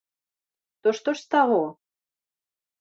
То што ж з таго?